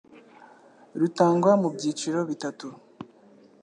rutangwa mu byiciro bitatu